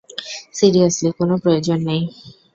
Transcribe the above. Seriously, কোনো প্রয়োজন নেই।